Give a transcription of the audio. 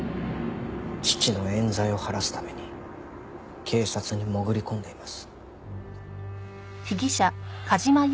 父の冤罪を晴らすために警察に潜り込んでいます。